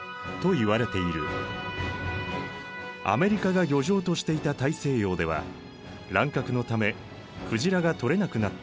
アメリカが漁場としていた大西洋では乱獲のため鯨が取れなくなっていた。